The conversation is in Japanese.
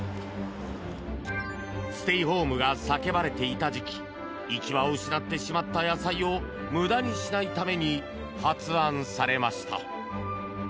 ステイホームが叫ばれていた時期行き場を失ってしまった野菜を無駄にしないために発案されました。